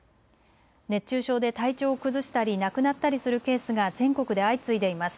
熱中症で体調を崩したり亡くなったりするケースが全国で相次いでいます。